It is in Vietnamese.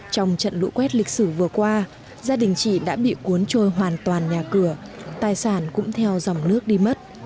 trong trận lũ quét lịch sử vừa qua gia đình chị đã bị cuốn trôi hoàn toàn nhà cửa tài sản cũng theo dòng nước đi mất